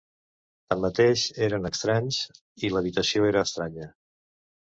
Tanmateix eren estranys i l'habitació era estranya.